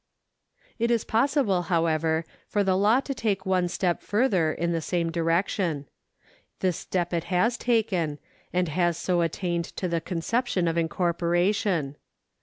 It is possible, however, for the law to take one step further in the same direction. This step it has taken, and has so attained to the conception of incorporation.